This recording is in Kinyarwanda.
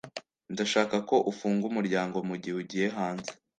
Ndashaka ko ufunga umuryango mugihe ugiye hanze